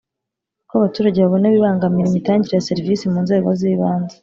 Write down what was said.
Uko abaturage babona ibibangamira imitangire ya serivisi mu nzego z ibanze